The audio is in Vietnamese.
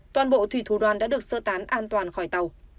toàn bộ thủy thủ đoàn đã được sơ tán an toàn khỏi tàu